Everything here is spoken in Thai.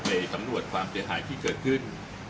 ไปสำรวจความเสียหายที่เกิดขึ้น